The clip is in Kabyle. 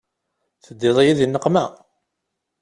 Teddiḍ-iyi di nneqma.